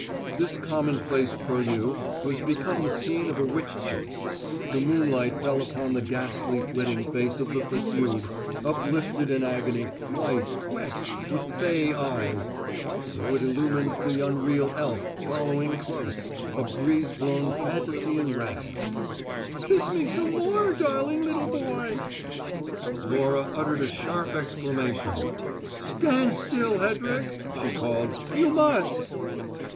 This commonplace purlieu was become the scene of a witch chase; the moonlight fell upon the ghastly flitting face of the pursued, uplifted in agony, white, wet, with fay eyes; also it illumined the unreal elf following close, a breeze blown fantasy in rags. "Kiss me some more, darling little boy!" Laura uttered a sharp exclamation. "Stand still, Hedrick!" she called. "You must!"